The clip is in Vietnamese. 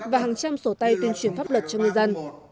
và hàng trăm sổ tay tuyên truyền pháp luật cho ngư dân